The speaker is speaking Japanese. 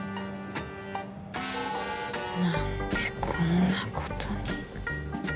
何でこんなことに。